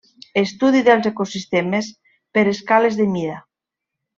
Estudi dels ecosistemes per escales de mida.